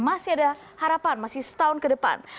masih ada harapan masih setahun ke depan